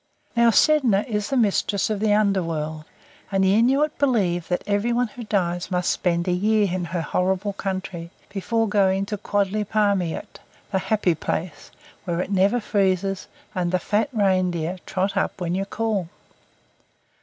Now Sedna is the Mistress of the Underworld, and the Inuit believe that every one who dies must spend a year in her horrible country before going to Quadliparmiut, the Happy Place, where it never freezes and the fat reindeer trot up when you call.